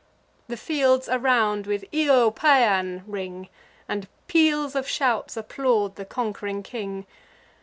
The fields around with Io Paean! ring; And peals of shouts applaud the conqu'ring king.